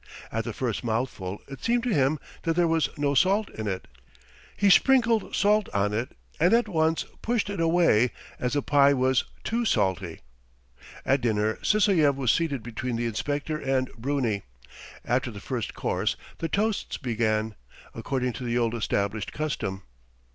At the first mouthful it seemed to him that there was no salt in it. He sprinkled salt on it and at once pushed it away as the pie was too salt. At dinner Sysoev was seated between the inspector and Bruni. After the first course the toasts began, according to the old established custom.